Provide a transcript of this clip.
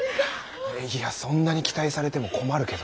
いやそんなに期待されても困るけど。